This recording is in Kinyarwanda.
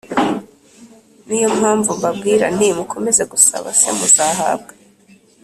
Ni yo mpamvu mbabwira nti mukomeze gusaba c muzahabwa